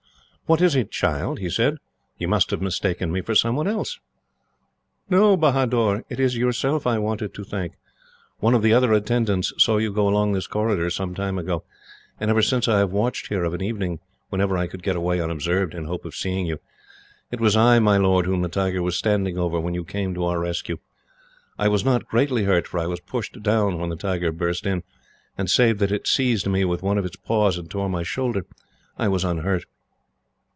"What is it, child?" he said. "You must have mistaken me for someone else." "No, Bahador," she said, "it is yourself I wanted to thank. One of the other attendants saw you go along this corridor, some time ago, and ever since I have watched here of an evening, whenever I could get away unobserved, in hopes of seeing you. It was I, my lord, whom the tiger was standing over when you came to our rescue. I was not greatly hurt, for I was pushed down when the tiger burst in, and, save that it seized me with one of its paws, and tore my shoulder, I was unhurt.